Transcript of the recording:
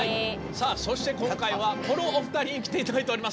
さあそして今回はこのお二人に来て頂いております。